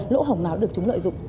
lỗ hỏng nào được chúng lợi dụng